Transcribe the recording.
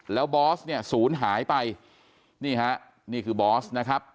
แล้วบอสเนี่ยศูนย์หายไปนี่ฮะนี่คือบอสนะครับ